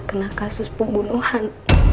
kena kasus pembunuhan